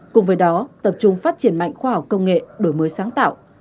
cùng với đó tập trung phát triển mạnh khoa học công nghệ đổi mới sáng tạo